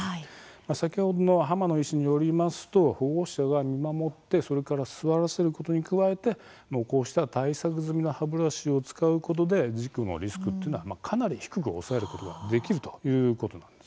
先ほどの浜野医師によりますと保護者が見守って座らせることに加えてこうした対策済みの歯ブラシを使うことで事故のリスクはかなり低く抑えることができるということなんです。